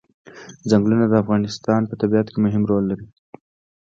ځنګلونه د افغانستان په طبیعت کې مهم رول لري.